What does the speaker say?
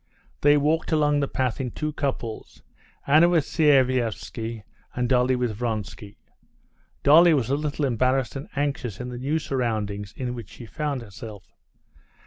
They walked along the path in two couples, Anna with Sviazhsky, and Dolly with Vronsky. Dolly was a little embarrassed and anxious in the new surroundings in which she found herself.